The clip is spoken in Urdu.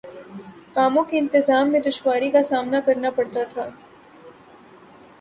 کاموں کے انتظام میں دشواری کا سامنا کرنا پڑتا تھا